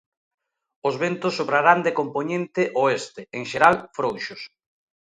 Os ventos soprarán de compoñente oeste, en xeral, frouxos.